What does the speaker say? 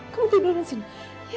kamu tidur disini ya